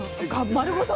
丸ごと？